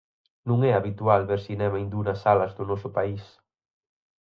Non é habitual ver cinema hindú nas salas do noso país.